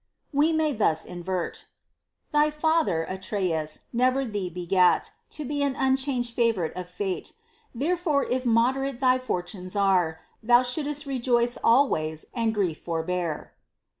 86 HOW A YOUNG MAN OUGHT we may thus invert : Thy father, Atreus, never thee begat, To be an unchanged favorite of Fate : Therefore, if moderate thy fortunes are, Thou shouldst rejoice always, and grief forbear.